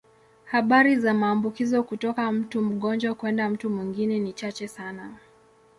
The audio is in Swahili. Habari za maambukizo kutoka mtu mgonjwa kwenda mtu mwingine ni chache sana.